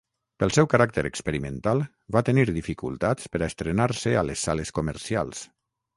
Pel seu caràcter experimental, va tenir dificultats per a estrenar-se a les sales comercials.